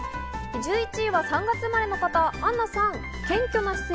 １１位は３月生まれの方、アンナさん。